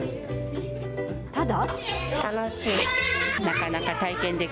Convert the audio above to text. ただ？